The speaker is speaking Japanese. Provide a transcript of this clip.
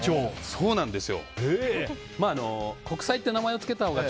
そうなんです。